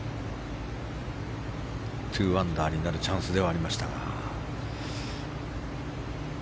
２アンダーになるチャンスではありました。